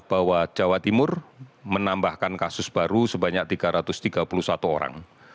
bahwa jawa timur menambahkan kasus baru sebanyak tiga ratus tiga puluh satu orang